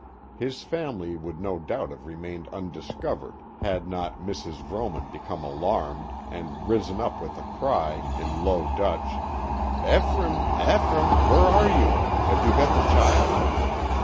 His family would no doubt have remained un discovered, had not Mrs. Vrooman become alarmed, and risen up with a cry, in low Dutch, " Ephraim, Ephraim. where are you ? Have you got the child